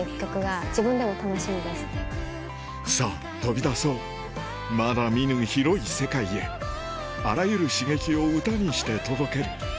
さぁ飛び出そうまだ見ぬ広い世界へあらゆる刺激を歌にして届ける